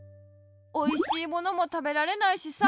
おいしいものもたべられないしさ